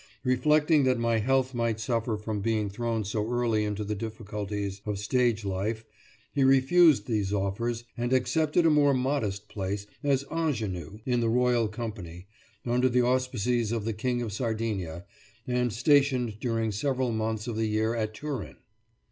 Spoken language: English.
Reflecting that my health might suffer from being thrown so early into the difficulties of stage life he refused these offers and accepted a more modest place, as ingenue, in the Royal Company, under the auspices of the King of Sardinia and stationed during several months of the year at Turin.